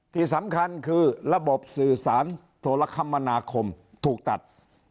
ที่สำคัญคือระบบสื่อสารโทรคมนาคมถูกตัด